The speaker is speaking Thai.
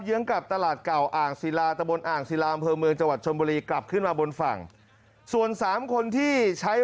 ขึ้นไปแล้วนี่เป็นช่วงที่เจ้ารถที่เขาเอาสปีดโบสต์ออกไป